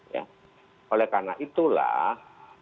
ya oleh karena itulah